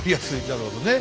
なるほどね。